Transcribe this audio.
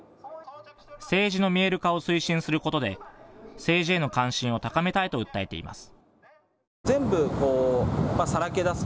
政治の見える化を推進することで、政治への関心を高めたいと訴えています。